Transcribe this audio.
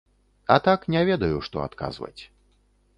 А так не ведаю, што адказваць.